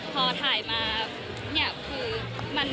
พอธ่ายมาเนี่ย